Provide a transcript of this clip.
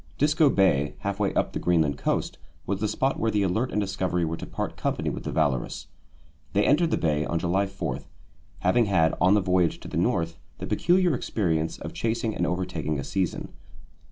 Disko Bay, half way up the Greenland coast, was the spot where the Alert and Discovery were to part company with the Valorous. They entered the Bay on July 4, having had, on the voyage to the North, the peculiar experience of chasing and overtaking a season.